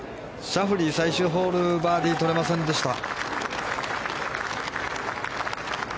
シャフリー、最終ホールバーディーを取れませんでした。